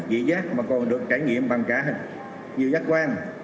dịp giác mà còn được trải nghiệm bằng cả nhiều giác quan